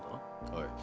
はい。